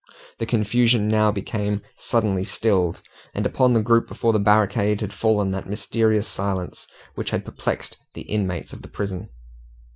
The confusion had now become suddenly stilled, and upon the group before the barricade had fallen that mysterious silence which had perplexed the inmates of the prison.